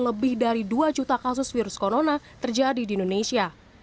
lebih dari dua juta kasus virus corona terjadi di indonesia